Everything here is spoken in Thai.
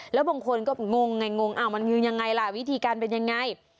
แล้วบางคนก็งงไงงงมันคือยังไงล่ะวิธีการเป็นยังไง